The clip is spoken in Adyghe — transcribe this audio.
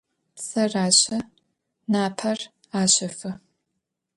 Псэр ащэ, напэр ащэфы.